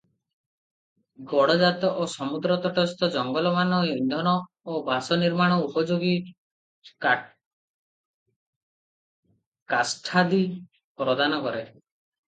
ଗଡ଼ଜାତ ଓ ସମୁଦ୍ରତଟସ୍ଥ ଜଙ୍ଗଲମାନ ଇନ୍ଧନ ଓ ବାସ ନିର୍ମାଣ ଉପଯୋଗୀ କାଷ୍ଠାଦି ପ୍ରଦାନ କରେ ।